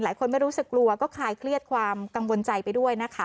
ไม่รู้สึกกลัวก็คลายเครียดความกังวลใจไปด้วยนะคะ